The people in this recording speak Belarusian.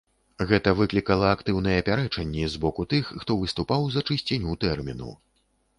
Гэта выклікала актыўныя пярэчанні з боку тых, хто выступаў за чысціню тэрміну.